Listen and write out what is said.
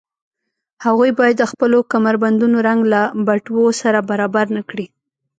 هغوی باید د خپلو کمربندونو رنګ له بټوو سره برابر نه کړي